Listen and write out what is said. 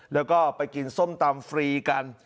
แล้วก็ไปกินส้มตำฟรีกัน